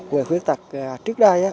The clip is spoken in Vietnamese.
người khuyết tật trước đây